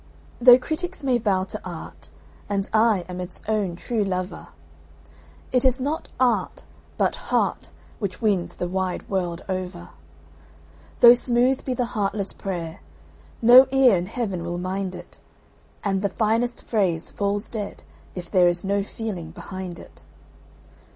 Though critics may bow to art, and I am its own true lover, It is not art, but heart, which wins the wide world over. Though smooth be the heartless prayer, no ear in Heaven will mind it, And the finest phrase falls dead if there is no feeling behind it.